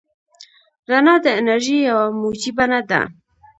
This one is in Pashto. رڼا د انرژۍ یوه موجي بڼه ده.